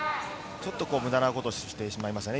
ちょっとムダなことをしてしまいましたね。